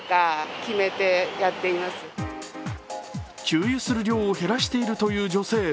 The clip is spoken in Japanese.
給油する量を減らしているという女性。